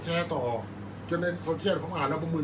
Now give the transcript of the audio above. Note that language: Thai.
อันไหนที่มันไม่จริงแล้วอาจารย์อยากพูด